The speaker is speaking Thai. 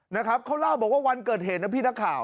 นะครับเขาเล่าบอกว่าวันเกิดเหตุนะพี่นักข่าว